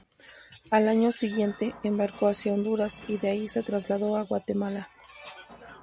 Al año siguiente, embarcó hacia Honduras, y de ahí se trasladó a Guatemala.